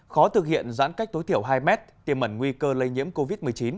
khó thực hiện giãn cách tối thiểu hai mét tiềm ẩn nguy cơ lây nhiễm covid một mươi chín